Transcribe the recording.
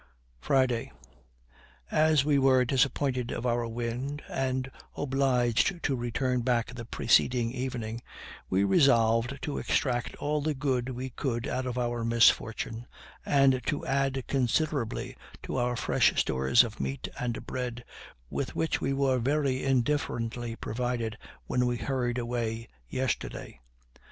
Friday. As we were disappointed of our wind, and obliged to return back the preceding evening, we resolved to extract all the good we could out of our misfortune, and to add considerably to our fresh stores of meat and bread, with which we were very indifferently provided when we hurried away yesterday.